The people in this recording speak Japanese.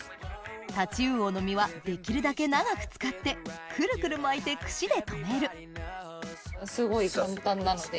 タチウオの身はできるだけ長く使ってくるくる巻いて串で留めるすごい簡単なので。